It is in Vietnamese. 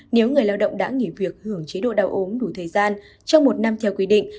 nếu người lao động đã nghỉ việc hưởng chế độ đau ốm đủ thời gian trong một năm theo quy định